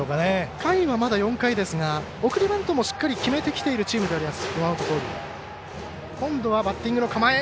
回はまだ４回ですが送りバントもしっかり決めてきているチームであります。